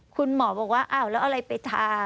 คุณหมอบอกว่าอ้าวแล้วเอาอะไรไปทา